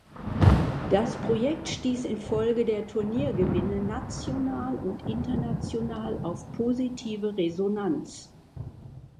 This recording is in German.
Das Projekt stieß infolge der Turniergewinne national und international auf positive Resonanz.